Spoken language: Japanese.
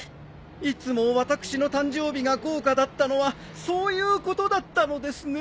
いつも私の誕生日が豪華だったのはそういうことだったのですね。